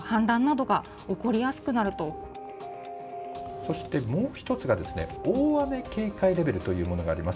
そして、もう１つが大雨警戒レベルというのがあります。